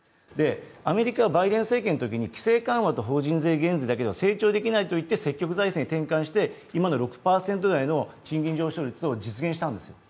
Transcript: アメリカはバイデン政権のときに規制緩和と投資だけでは成長できないといって積極財政に転換して、今の６％台の賃金上昇率を実現したんですよ。